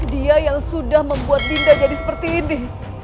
dia yang sudah membuat linda jadi seperti ini